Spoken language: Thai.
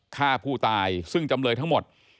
ฆ่าผู้ตายซึ่งจำเลยทั้งหมด